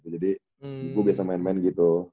jadi gue biasa main main gitu